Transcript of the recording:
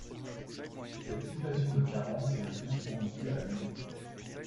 Cette situation de carence est le plus souvent due à la ménopause.